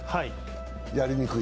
やりにくい？